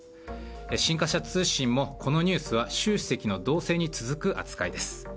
新華社通信もこのニュースは習主席の動静に続く扱いです。